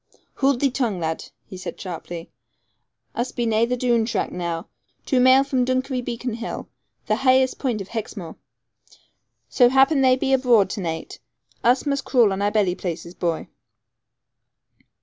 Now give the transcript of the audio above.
'Hould thee tongue, lad,' he said sharply; 'us be naigh the Doone track now, two maile from Dunkery Beacon hill, the haighest place of Hexmoor. So happen they be abroad to naight, us must crawl on our belly places, boy.'